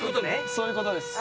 そういうことです。